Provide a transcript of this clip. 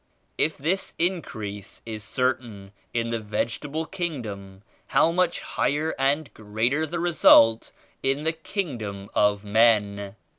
If this increase is cer tain in the vegetable kingdom, how much higher and greater the result in the kingdom of men